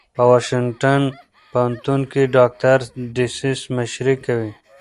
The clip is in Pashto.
په واشنګټن پوهنتون کې ډاکټر ډسیس مشري کوي.